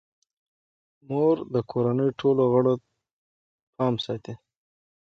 مور د کورنۍ ټولو غړو پام ساتي.